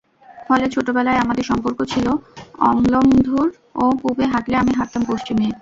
ফলে ছোটবেলায় আমাদের সম্পর্ক ছিল অম্লমধুর—ও পুবে হাঁটলে আমি হাঁটতাম পশ্চিমে।